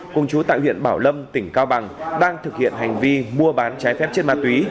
cùng chú tại huyện bảo lâm tỉnh cao bằng đang thực hiện hành vi mua bán trái phép chất ma túy